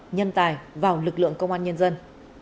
nhân tài vào lực lượng công an nhân dân